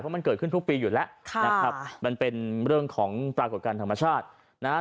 มันเกิดขึ้นทุกปีอยู่แล้วนะครับมันเป็นเรื่องของปรากฏการณ์ธรรมชาตินะฮะ